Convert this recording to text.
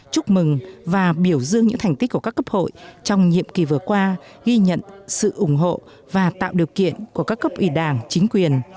chúc mừng và biểu dương những thành tích của các cấp hội trong nhiệm kỳ vừa qua ghi nhận sự ủng hộ và tạo điều kiện của các cấp ủy đảng chính quyền